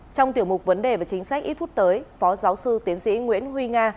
trong tiểu mục vấn đề và chính sách ít phút tới phó giáo sư tiến sĩ nguyễn huy nga